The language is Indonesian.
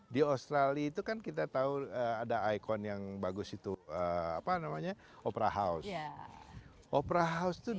di australia itu kan kita tahu ada ikon yang bagus itu apa namanya opera house opera house itu